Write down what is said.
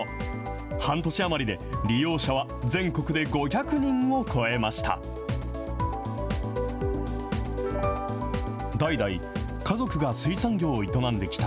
半年余りで利用者は全国で５００人を超えました。